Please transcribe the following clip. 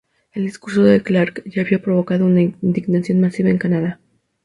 El discurso de Clark ya había provocado una indignación masiva en Canadá.